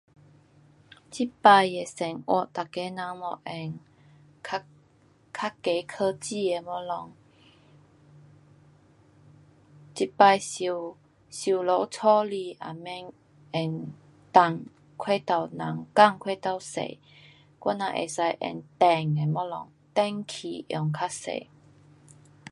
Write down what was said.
这次的生活每个人没闲，较，较易科技的东西。这次收，收拾家里也免用到过头人工过头多，我人可以用电的东西，电器用较多。